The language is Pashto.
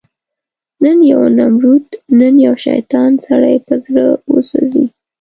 نن یو نمرود، نن یو شیطان، سړی په زړه وسوځي